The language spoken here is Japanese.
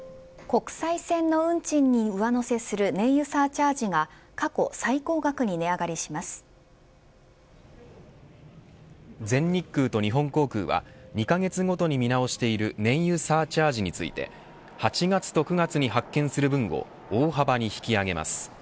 国際線の運賃に上乗せする燃油サーチャージが全日空と日本航空は２カ月ごとに見直している燃油サーチャージについて８月と９月に発券する分を大幅に引き上げます。